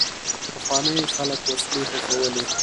پخواني خلک وسلې ښخولې.